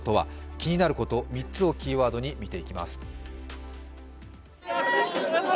気になること３つをキーワードに見ていきます。